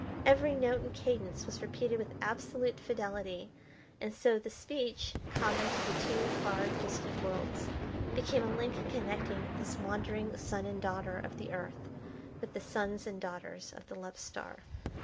Every note and cadence was repeated with absolute fidelity, and so the speech, common to the two far distant worlds, became a link connecting this wandering son and daughter of the Earth with the sons and daughters of the Love Star.